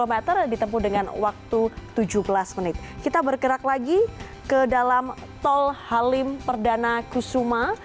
dua puluh meter ditempuh dengan waktu tujuh belas menit kita bergerak lagi ke dalam tol halim perdana kusuma